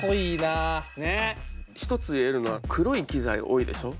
一つ言えるのは黒い機材多いでしょ？